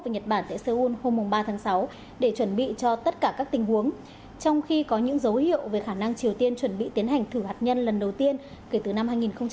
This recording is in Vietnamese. và nhật bản tại seoul hôm ba tháng sáu để chuẩn bị cho tất cả các tình huống trong khi có những dấu hiệu về khả năng triều tiên chuẩn bị tiến hành thử hạt nhân lần đầu tiên kể từ năm hai nghìn một mươi